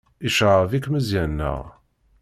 Yecɣeb-ik Meẓyan, naɣ?